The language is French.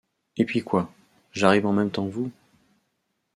Et puis, quoi? j’arrive en même temps que vous...